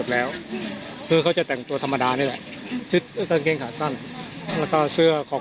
แล้วเขาเดินไปทางไหนค่ะที่เราเห็น